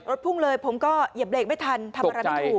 พุ่งเลยผมก็เหยียบเบรกไม่ทันทำอะไรไม่ถูก